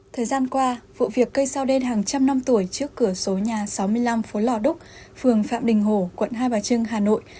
thời gian qua vụ việc cây sao đen hàng trăm năm tuổi trước cửa số nhà sáu mươi năm phố lò đúc phường phạm đình hồ quận hai bà trưng hà nội